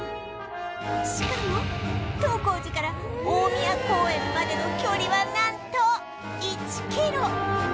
しかも東光寺から大宮公園までの距離はなんと１キロ！